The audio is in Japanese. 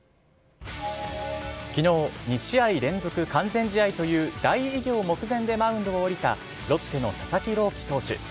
きのう、２試合連続完全試合という大偉業目前でマウンドを降りた、ロッテの佐々木朗希投手。